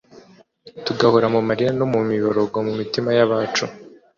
tugahora mu marira no mu miborogo mumitima yabcu